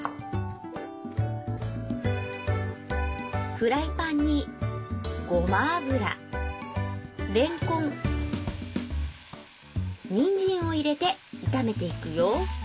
フライパンにごま油れんこんにんじんを入れて炒めていくよ。